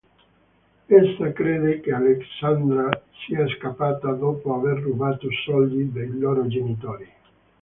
Essa crede che Alexandra sia scappata dopo aver rubato soldi dei loro genitori.